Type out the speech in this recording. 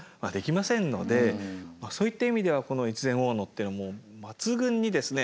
そういった意味ではこの越前大野というのはもう抜群にですね